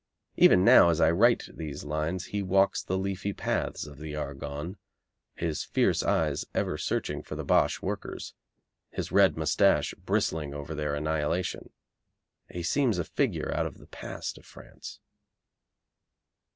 Even now as I write these lines he walks the leafy paths of the Argonne, his fierce eyes ever searching for the Boche workers, his red moustache bristling over their annihilation. He seems a figure out of the past of France.